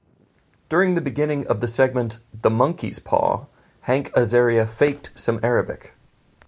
During the beginning of the segment "The Monkey's Paw", Hank Azaria faked some Arabic.